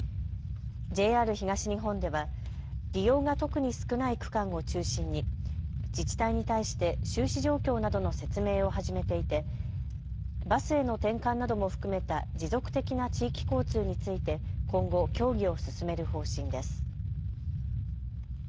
ＪＲ東日本では利用が特に少ない区間を中心に自治体に対して収支状況などの説明を始めていてバスへの転換なども含めた持続的な地域交通について今後、協議を進める方針です。